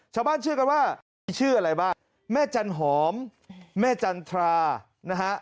เชื่อกันว่ามีชื่ออะไรบ้างแม่จันหอมแม่จันทรานะฮะ